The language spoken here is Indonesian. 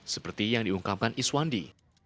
seperti yang diungkapkan iswandi